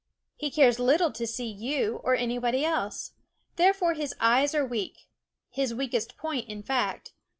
He cares little to see you or anybody else; therefore his eyes are weak his weakest point, in fact.